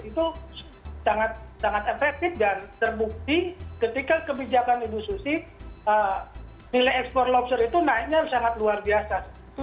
itu sangat efektif dan terbukti ketika kebijakan ibu susi nilai ekspor lobster itu naiknya sangat luar biasa